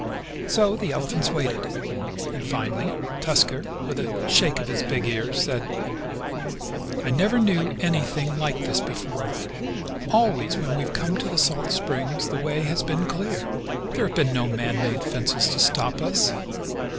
So the elephants waited, and finally Tusker with a shake of his big ears, said: "I never knew anything like this before. Always when we have come to the salt springs the way has been clear. There have been no man made fences to stop us.